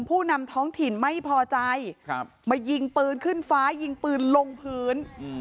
ผู้นำท้องถิ่นไม่พอใจมายิงปืนขึ้นฟ้ายิงปืนลงพื้น